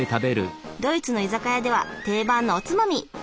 ドイツの居酒屋では定番のおつまみ。